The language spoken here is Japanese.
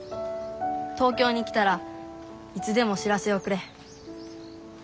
東京に来たらいつでも知らせをくれ。